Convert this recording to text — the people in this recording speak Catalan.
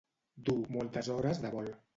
Dur moltes hores de vol.